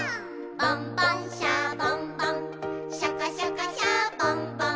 「ボンボン・シャボン・ボンシャカシャカ・シャボン・ボン」